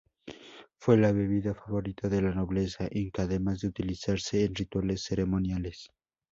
Fue la bebida favorita de la nobleza inca además de utilizarse en rituales ceremoniales.